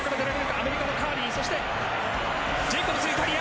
アメリカのカーリーそしてジェイコブズ、イタリア。